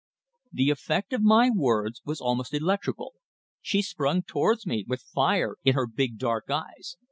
The effect of my words was almost electrical. She sprung towards me, with fire in her big, dark eyes.